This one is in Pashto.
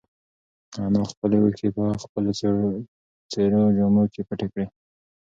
انا خپلې اوښکې په خپلو څېرو جامو کې پټې کړې.